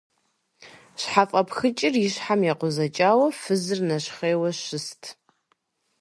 Щхьэфӏэпхыкӏыр и щхьэм екъузэкӏауэ фызыр нэщхъейуэ щыст.